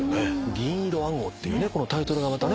『銀色暗号』っていうタイトルがまたね。